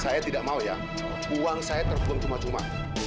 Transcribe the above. saya tidak mau ya uang saya terbuang cuma cuma